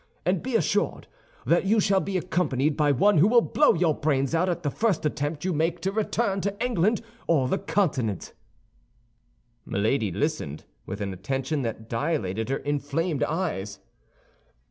And be assured that you shall be accompanied by one who will blow your brains out at the first attempt you make to return to England or the Continent." Milady listened with an attention that dilated her inflamed eyes.